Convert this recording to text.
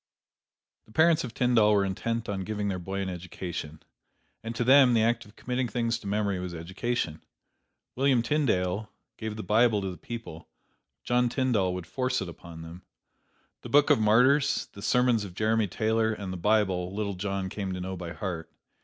The parents of Tyndall were intent on giving their boy an education. And to them, the act of committing things to memory was education. William Tyndale gave the Bible to the people; John Tyndall would force it upon them. The "Book of Martyrs," the sermons of Jeremy Taylor, and the Bible, little John came to know by heart.